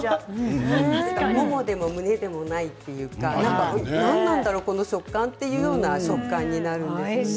ももでも胸肉でもないというか何なんだろう、この食感というような食感になるんです。